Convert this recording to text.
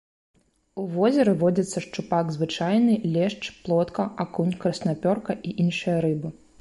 У возеры водзяцца шчупак звычайны, лешч, плотка, акунь, краснапёрка і іншыя рыбы.